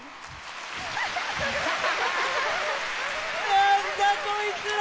何だこいつら！